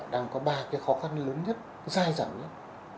đang có ba cái khó khăn lớn nhất dài dẳng nhất